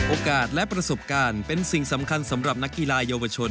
โอกาสและประสบการณ์เป็นสิ่งสำคัญสำหรับนักกีฬาเยาวชน